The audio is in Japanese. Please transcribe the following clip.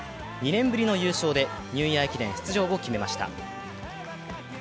２年ぶりの優勝でニューイヤー駅伝出場を決めました。